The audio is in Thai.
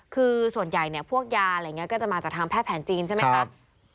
คือส่วนใหญ่เนี่ยพวกยาอะไรอย่างนี้ก็จะมาจากทางแพทย์แผนจีนใช่ไหมครับ